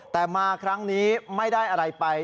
แต่มาครั้งนี้ไม่ได้อะไรไป